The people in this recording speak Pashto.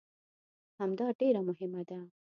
همدا ډېره مهمه ده.